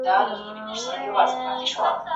اداري فساد په جرګه کي څنګه مخنیوی کېږي؟